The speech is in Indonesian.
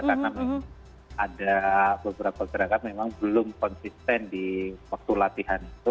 karena ada beberapa gerakan memang belum konsisten di waktu latihan itu